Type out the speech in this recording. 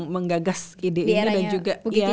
menggagas ide ini dan juga ide